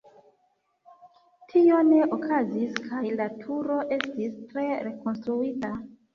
Tio ne okazis kaj la turo estis tre rekonstruita.